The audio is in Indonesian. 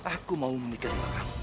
aku mau menikah dengan kamu